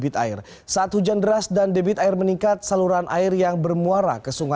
di rumah tidak punya sumur tidak punya